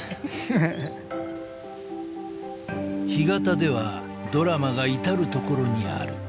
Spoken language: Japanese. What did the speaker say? ［干潟ではドラマが至る所にある］